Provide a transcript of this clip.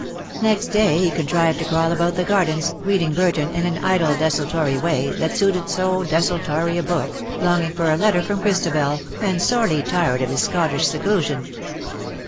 Next day he contrived to crawl about the gardens, reading " Burton" in an idle desultory way that suited so desultory a book, longing for a letter from Christ abel, and sorely tired of his Scottish seclusion.